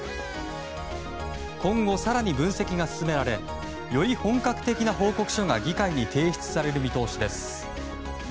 今後、更に分析が進められより本格的な報告書が議会に提出される見通しです。